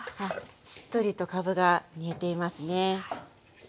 しっとりとかぶが煮えていますね。